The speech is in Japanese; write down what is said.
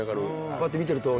こうやって見てると。